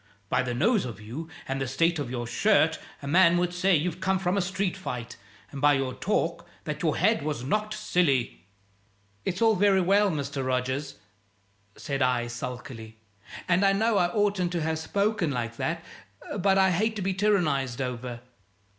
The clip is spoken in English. By the nose of you and the state of your shirt a man would say you've come from a street fight; and by your talk, that your head was knocked silly." "It's all very well, Mr. Rogers," said I, sulkily, "and I know I oughtn't to have spoken like that, but I hate to be tyrannized over.